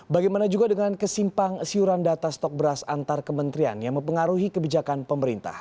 bagaimana juga dengan kesimpang siuran data stok beras antar kementerian yang mempengaruhi kebijakan pemerintah